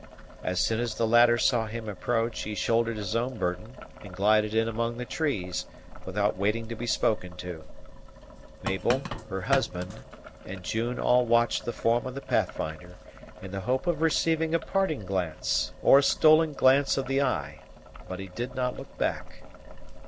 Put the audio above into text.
As soon as the latter saw him approach, he shouldered his own burthen, and glided in among the trees, without waiting to be spoken to. Mabel, her husband, and June all watched the form of the Pathfinder, in the hope of receiving a parting gesture, or a stolen glance of the eye; but he did not look back.